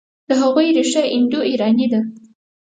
د هغوی ریښه انډوایراني ده.